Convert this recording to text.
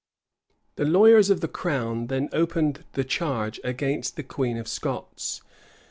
The lawyers of the crown then opened the charge against the queen of Scots.